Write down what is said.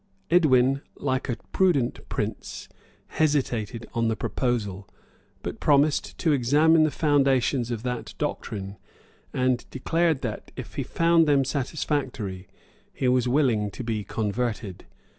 Edwin, like a prudent prince, hesitated on the proposal, but promised to examine the foundations of that doctrine, and declared that, if he found them satisfactory, he was willing to be converted.